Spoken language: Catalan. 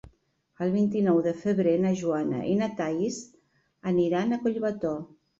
El vint-i-nou de febrer na Joana i na Thaís aniran a Collbató.